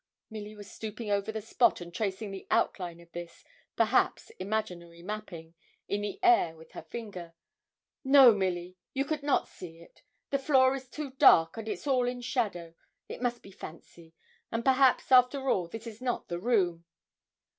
Milly was stooping over the spot, and tracing the outline of this, perhaps, imaginary mapping, in the air with her finger. 'No, Milly, you could not see it: the floor is too dark, and it's all in shadow. It must be fancy; and perhaps, after all, this is not the room.'